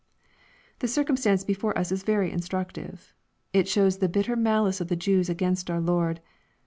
The circumstance before us is very instructive. It shows the bitter malice of the Jews against our Lord.